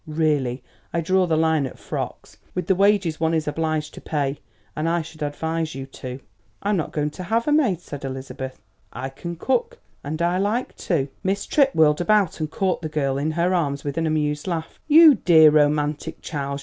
Really, I draw the line at frocks, with the wages one is obliged to pay; and I should advise you to." "I'm not going to have a maid," said Elizabeth. "I can cook, and I like to." Miss Tripp whirled about and caught the girl in her arms with an amused laugh. "You dear, romantic child!"